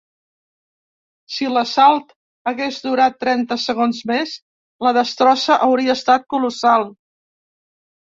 Si l'assalt hagués durat trenta segons més, la destrossa hauria estat colossal.